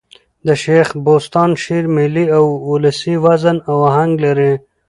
د شېخ بُستان شعر ملي اولسي وزن او آهنګ لري.